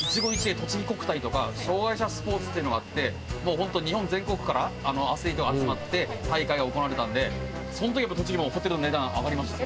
とちぎ国体とか障害者スポーツっていうのがあってもう本当日本全国からアスリートが集まって大会が行われたんでその時やっぱ栃木もホテルの値段上がりましたね。